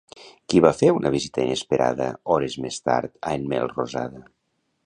Qui va fer una visita inesperada hores més tard a en Melrosada?